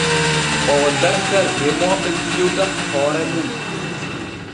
Oo darta remooɓe jewta hoore mum.